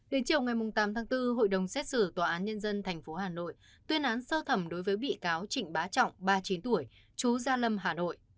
đến chiều ngày tám tháng bốn hội đồng xét xử tòa án nhân dân tp hà nội tuyên án sơ thẩm đối với bị cáo trịnh bá trọng ba mươi chín tuổi chú gia lâm hà nội